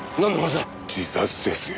自殺ですよ。